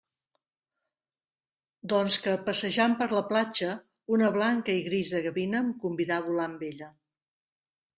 Doncs que, passejant per la platja, una blanca i grisa gavina em convidà a volar amb ella.